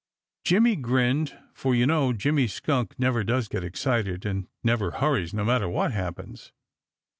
Jimmy grinned, for you know Jimmy Skunk never does get excited and never hurries, no matter what happens.